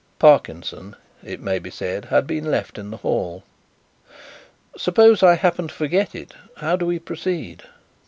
Parkinson, it may be said, had been left in the hall. "Suppose I happen to forget it? How do we proceed?"